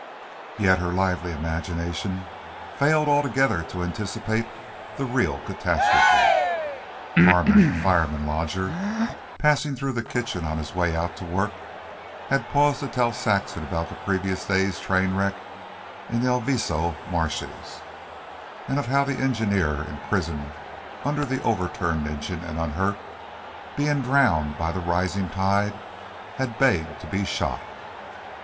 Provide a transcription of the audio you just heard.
Yet her lively imagination failed altogether to anticipate the real catastrophe. Harmon, the fireman lodger, passing through the kitchen on his way out to work, had paused to tell Saxon about the previous day's train wreck in the Alviso marshes, and of how the engineer, imprisoned under the overturned engine and unhurt, being drowned by the rising tide, had begged to be shot.